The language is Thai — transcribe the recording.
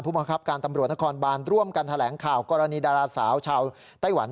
บังคับการตำรวจนครบานร่วมกันแถลงข่าวกรณีดาราสาวชาวไต้หวัน